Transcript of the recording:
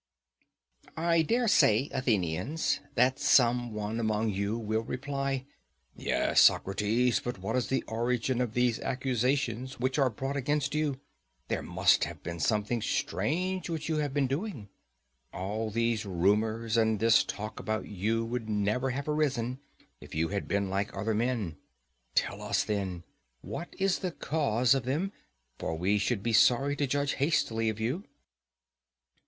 I dare say, Athenians, that some one among you will reply, "Yes, Socrates, but what is the origin of these accusations which are brought against you; there must have been something strange which you have been doing? All these rumours and this talk about you would never have arisen if you had been like other men: tell us, then, what is the cause of them, for we should be sorry to judge hastily of you."